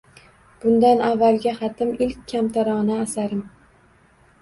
Bundan avvalgi xatim ilk kamtarona asarim